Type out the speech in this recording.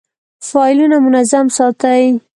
فایلونه منظم ساتئ؟